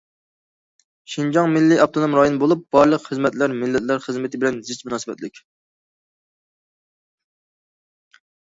شىنجاڭ مىللىي ئاپتونوم رايون بولۇپ، بارلىق خىزمەتلەر مىللەتلەر خىزمىتى بىلەن زىچ مۇناسىۋەتلىك.